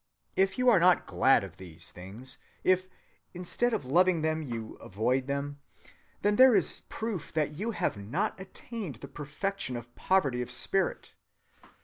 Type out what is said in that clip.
If you are not glad of these things, if instead of loving them you avoid them, then there is proof that you have not attained the perfection of poverty of spirit."